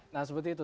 nah seperti itu